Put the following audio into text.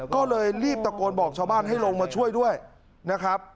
ก็เลยรีบตะโกนบอกชาวบ้านให้ลงมาช่วยด้วยนะครับ